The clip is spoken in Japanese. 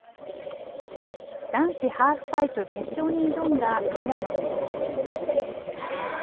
男子ハーフパイプ決勝に挑んだ平野選手。